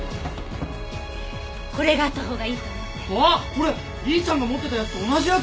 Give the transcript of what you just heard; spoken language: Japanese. これ怡ちゃんが持ってたやつと同じやつ！